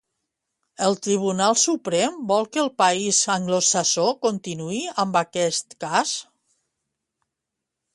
El Tribunal Suprem vol que el país anglosaxó continuï amb aquest cas?